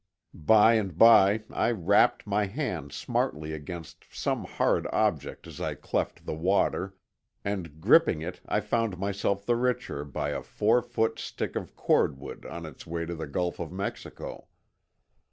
By and by I rapped my hand smartly against some hard object as I cleft the water, and gripping it I found myself the richer by a four foot stick of cordwood on its way to the Gulf of Mexico.